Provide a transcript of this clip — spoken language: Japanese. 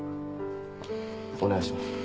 お願いします。